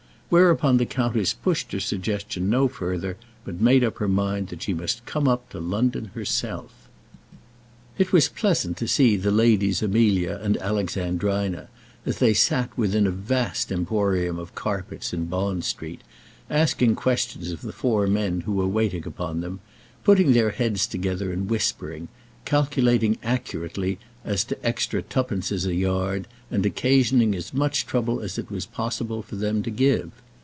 Whereupon the countess pushed her suggestion no further, but made up her mind that she must come up to London herself. It was pleasant to see the Ladies Amelia and Alexandrina, as they sat within a vast emporium of carpets in Bond Street, asking questions of the four men who were waiting upon them, putting their heads together and whispering, calculating accurately as to extra twopences a yard, and occasioning as much trouble as it was possible for them to give.